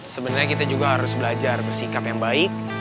sebenarnya kita juga harus belajar bersikap yang baik